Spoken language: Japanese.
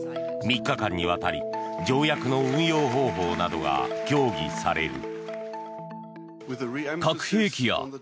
３日間にわたり条約の運用方法などが協議される。